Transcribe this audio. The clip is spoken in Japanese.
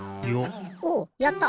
おおやった。